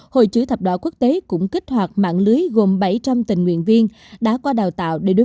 hội chứ thập đỏ quốc tế cũng kích hoạt mạng lưới gồm bảy trăm linh tình nguyện viên đã qua đào tạo